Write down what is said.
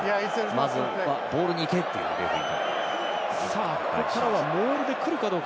まずはボールにいけ！というレフリー。